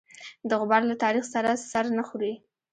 د غبار له تاریخ سره سر نه خوري.